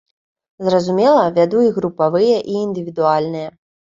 Зразумела, вяду і групавыя, і індывідуальныя.